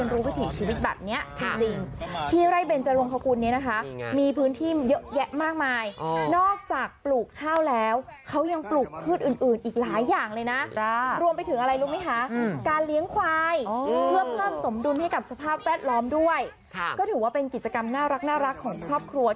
รวมไปถึงอะไรรู้มั้ยคะ